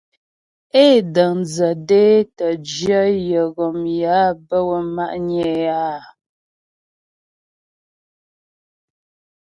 É dəŋdzə dé tə́ jyə̂ yə ghom yé á bə wə́ ma'nyə é áa.